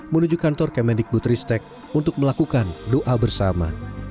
menuju kantor kemendik butristek untuk melakukan doa bersama